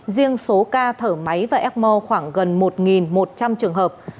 riêng số ca thở máy và ecmo khoảng gần một một trăm linh trường hợp